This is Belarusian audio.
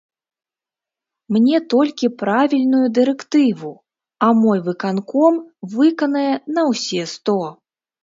Мне толькі правільную дырэктыву, а мой выканком выканае на ўсе сто.